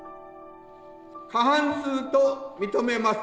過半数と認めます。